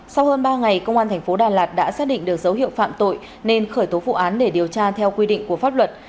sau hơn ba ngày công an thành phố đà lạt đã xác định được dấu hiệu phạm tội nên khởi tố vụ án để điều tra theo quy định của pháp luật